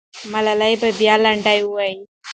ملالۍ به بیا لنډۍ وایي.